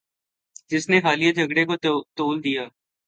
جس نے حالیہ جھگڑے کو طول دیا